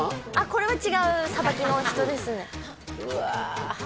これは違うさばきの人ですねうわ